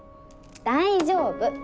大丈夫！